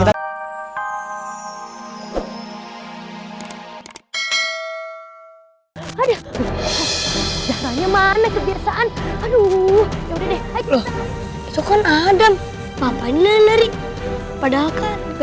ada ada nyaman kebiasaan aduh udah deh itu kan adam papan lelari padahal kan